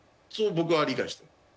僕は理解してます。